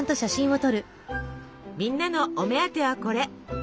みんなのお目当てはこれ。